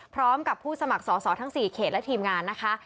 พร้อมกับผู้สมัครสอสอทั้ง๔เขตและทีมงานนะคะ